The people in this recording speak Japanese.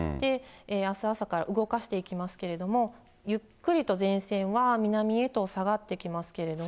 あすの朝から動かしていきますけれども、ゆっくりと前線は南へと下がってきますけれども。